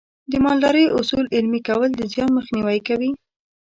د مالدارۍ اصول عملي کول د زیان مخنیوی کوي.